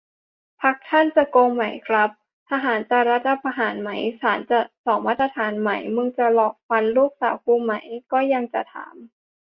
พรรคท่านจะโกงไหมครับ ทหารจะรัฐประหารไหม ศาลจะสองมาตรฐานไหม มึงจะหลอกฟันลูกสาวกูไหม ก็ยังจะถาม